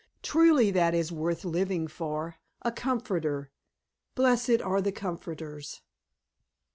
truly that is worth living for a comforter! Blessed are the comforters!"